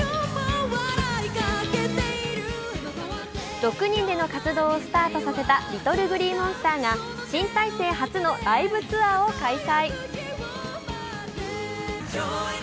６人での活動をスタートさせたＬｉｔｔｌｅＧｌｅｅＭｏｎｓｔｅｒが新体制初のライブツアーを開催。